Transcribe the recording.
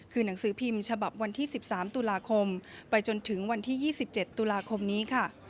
คือหนังสือพิมพ์ฉบับวันที่๑๓ตุลาคมไปจนถึงวันที่๒๗ตุลาคมนี้ค่ะ